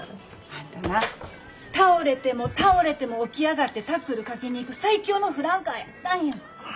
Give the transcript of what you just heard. あんたな倒れても倒れても起き上がってタックルかけに行く最強のフランカーやったんや。